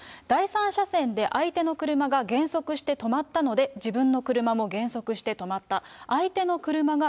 第３車線で相手の車が減速して止まったので、自分の車も減速して止まった。